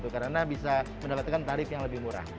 karena bisa mendapatkan tarif yang lebih murah